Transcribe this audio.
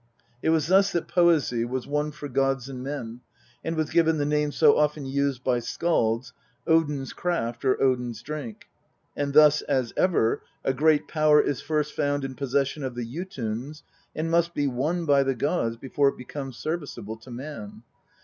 It was thus that poesy was won for gods and men, and was given the name so often used by skalds, " Odin's craft " or " Odin's drink ;" and thus, as ever, a great power is first found in possession of the Jotuns, and must be won by the gods before it becomes serviceable to man.